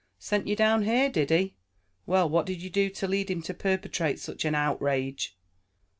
"Sent you down here, did he? Well, what did you do to lead him to perpetrate such an outrage?"